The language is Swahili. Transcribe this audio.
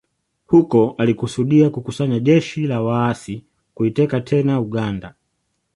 Huko alikusudia kukusanya jeshi la waasi kuiteka tena Uganda